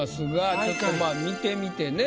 ちょっとまあ見てみてね。